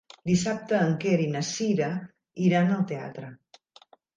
Dissabte en Quer i na Cira iran al teatre.